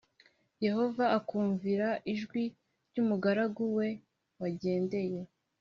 Yehova akumvira ijwi ry umugaragu we n wagendeye